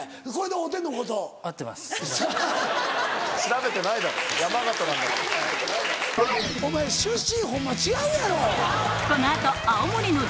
お前出身ホンマは違うやろ。